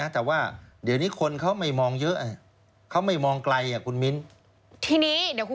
ซึ่งโดยปกติแล้วไม่ถือว่าเป็นการช่อโกง